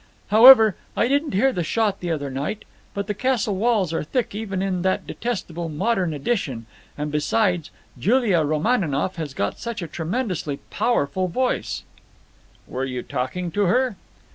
However, I didn't hear the shot the other night, but the castle walls are thick even in that detestable modern addition, and besides, Julia Romaninov has got such a tremendously powerful voice,'' "Were you talking to her?"